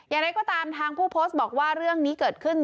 อย่างไรก็ตามทางผู้โพสต์บอกว่าเรื่องนี้เกิดขึ้น